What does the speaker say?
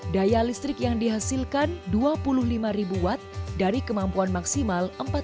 daya listrik yang dihasilkan dua puluh lima ribu watt dari kemampuan maksimal empat puluh